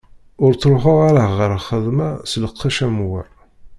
Ur ttruḥeɣ ara ɣer lxedma s lqecc am wa.